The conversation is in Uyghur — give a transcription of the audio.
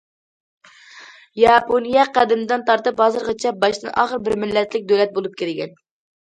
ياپونىيە قەدىمدىن تارتىپ ھازىرغىچە باشتىن- ئاخىر بىر مىللەتلىك دۆلەت بولۇپ كەلگەن.